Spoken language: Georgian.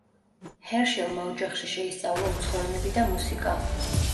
ჰერშელმა ოჯახში შეისწავლა უცხო ენები და მუსიკა.